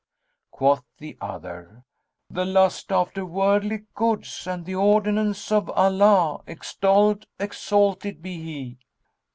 Quoth the other "The lust after worldly goods, and the ordinance of Allah (extolled exalted be He!)."